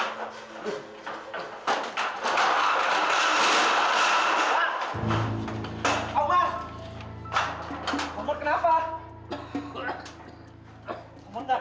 sebelum anak bagaimana